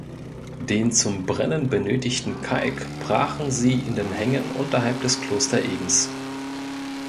Den zum Brennen benötigten Kalk brachen sie in den Hängen unterhalb des Klosterebens.